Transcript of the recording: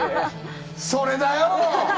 それだよ